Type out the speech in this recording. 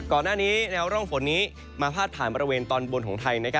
ก่อนหน้านี้แนวร่องฝนนี้มาพาดผ่านบริเวณตอนบนของไทย